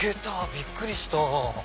びっくりした。